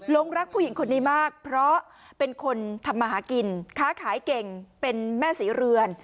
รักผู้หญิงคนนี้มากเพราะเป็นคนทำมาหากินค้าขายเก่งเป็นแม่ศรีเรือน